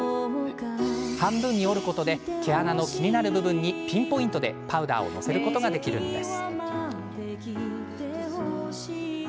半分に折ることで毛穴の気になる部分にピンポイントで、パウダーをのせることができるんです。